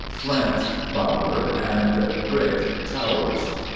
_Flint, Bowyer, and Brick Towers.